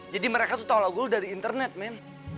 jadi mereka tuh tau lagu lo dari internet men